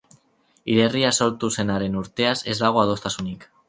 Hilerria sortu zenaren urteaz ez dago adostasunik.